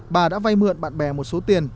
bà đã vay mượn bạn bè một số tiền